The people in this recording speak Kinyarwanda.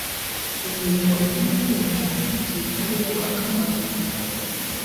imirimo imwe n'imwe ifitiye igihugu akamaro